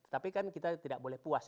tapi kan kita tidak boleh puas